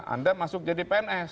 anda masuk jadi pns